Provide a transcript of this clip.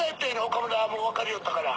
岡村はもう分かりよったから。